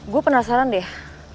gue penasaran deh